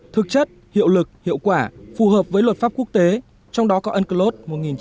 thực chất hiệu lực hiệu quả phù hợp với luật pháp quốc tế trong đó có unclos một nghìn chín trăm tám mươi hai